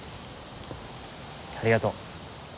ありがとう。